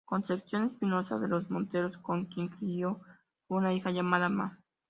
Concepción Espinosa de los Monteros con quien crio a una hija llamada Ma.